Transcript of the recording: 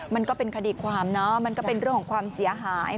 มันก็เป็นคดีความเนาะมันก็เป็นเรื่องของความเสียหาย